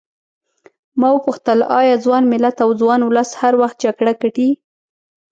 ما وپوښتل ایا ځوان ملت او ځوان ولس هر وخت جګړه ګټي.